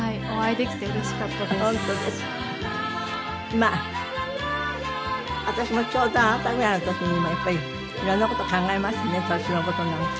まあ私もちょうどあなたぐらいの年にもやっぱり色んな事考えますね年の事なんか。